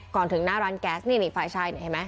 ก่อนถึงหน้าร้านแก๊สนี่นี่ฝ่ายชายนี่เห็นไหม